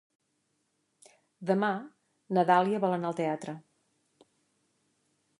Demà na Dàlia vol anar al teatre.